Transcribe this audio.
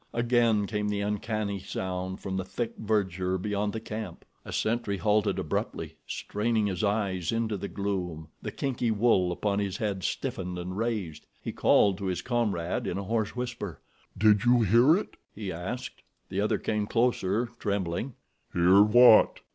Again came the uncanny sound from the thick verdure beyond the camp. A sentry halted abruptly, straining his eyes into the gloom. The kinky wool upon his head stiffened and raised. He called to his comrade in a hoarse whisper. "Did you hear it?" he asked. The other came closer, trembling. "Hear what?"